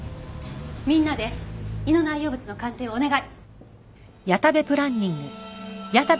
みんなで胃の内容物の鑑定をお願い。